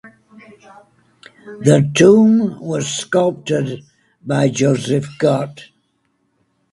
The tomb was sculpted by Joseph Gott.